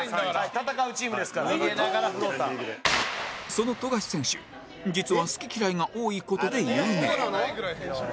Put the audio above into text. その富樫選手実は好き嫌いが多い事で有名